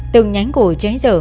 từng nhánh cổ cháy dở